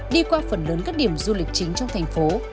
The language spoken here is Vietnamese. đi qua phần lớn các điểm du lịch chính trong thành phố